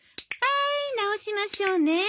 はい直しましょうね。